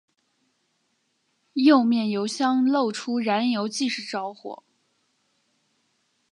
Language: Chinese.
右面油箱漏出燃油即时着火。